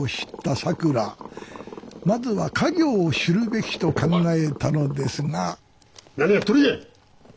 まずは家業を知るべきと考えたのですが何やっとるんや！